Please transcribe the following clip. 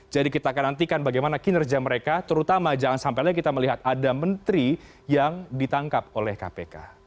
jadi kita akan nantikan bagaimana kinerja mereka terutama jangan sampai lagi kita melihat ada menteri yang ditangkap oleh kpk